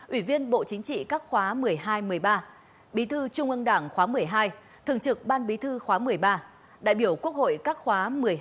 ủy viên bộ chính trị các khóa một mươi hai một mươi ba bí thư trung ương đảng khóa một mươi hai thường trực ban bí thư khóa một mươi ba đại biểu quốc hội các khóa một mươi hai một mươi bốn một mươi năm